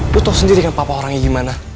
lo tau sendiri kan papa orangnya gimana